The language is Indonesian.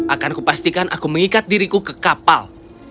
akanku pastikan aku mengikat diriku ke kapal